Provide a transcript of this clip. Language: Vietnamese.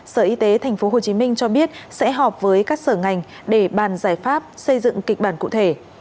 sở y tế thành phố hồ chí minh cho biết sẽ họp với các sở ngành để bàn giải pháp xây dựng kịch bản cụ thể